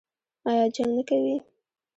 ایا جنګ نه کوي؟